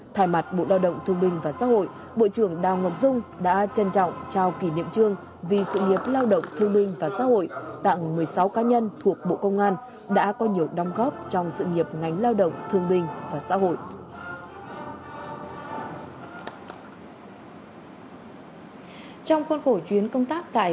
thay mặt bộ lao động thương binh và xã hội bộ trưởng đào ngọc dung đã trân trọng trao kỷ niệm trương vì sự nghiệp lao động thương binh và xã hội tặng một mươi sáu cá nhân thuộc bộ công an đã có nhiều đóng góp trong sự nghiệp ngánh lao động thương binh và xã hội